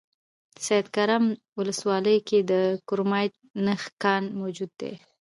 سیدکرم ولسوالۍ کې د کرومایټ کان موجود ده